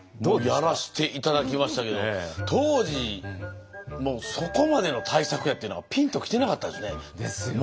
やらして頂きましたけど当時そこまでの大作やっていうのがピンときてなかったですね。ですよね。